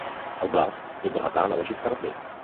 Oblast je bohatá na ložiska ropy.